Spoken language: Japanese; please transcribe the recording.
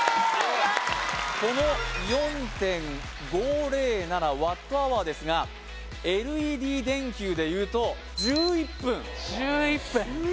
この４．５０７ＷｈですがＬＥＤ電球でいうと１１分１１分